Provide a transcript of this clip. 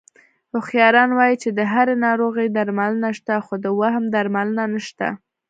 هوښیاران وایي چې د هرې ناروغۍ درملنه شته، خو د وهم درملنه نشته...